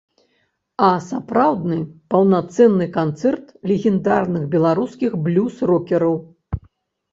А сапраўдны паўнацэнны канцэрт легендарных беларускіх блюз-рокераў.